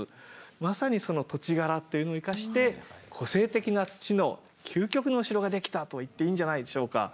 まさにその土地柄というのを生かして個性的な土の究極のお城が出来たと言っていいんじゃないでしょうか。